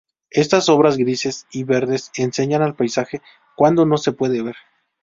Estas obras grises y verdes enseñan el paisaje cuando no se puede ver.